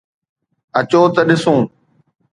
اچو ته ڏسون.